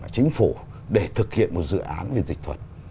chính phủ để thực hiện một dự án về dịch thuật